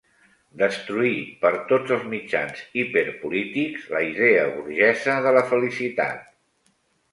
Destruir, per tots els mitjans hiperpolítics, la idea burgesa de la felicitat.